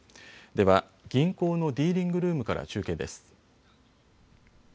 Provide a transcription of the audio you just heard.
では銀行のディーリングルームから中継です。